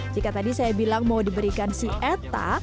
jika tadi saya bilang mau diberikan si eta